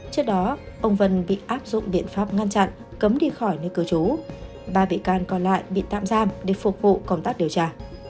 trước đó ông vân bị áp dụng biện pháp ngăn chặn cấm đi khỏi nơi cư trú ba bị can còn lại bị tạm giam để phục vụ công tác điều tra